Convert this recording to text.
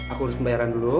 aku urus pembayaran dulu